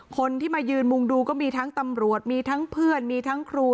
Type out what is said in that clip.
คนที่มายืนมุงดูก็มีทั้งตำรวจมีทั้งเพื่อนมีทั้งครู